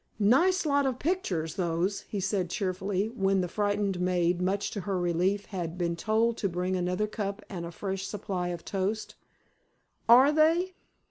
"Nice lot of pictures, those," he said cheerfully, when the frightened maid, much to her relief, had been told to bring another cup and a fresh supply of toast. "Are they?"